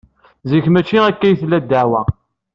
Zik maci akka ay tella ddeɛwa.